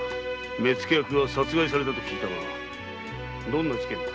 目付役が殺害されたと聞いたがどんな事件だ？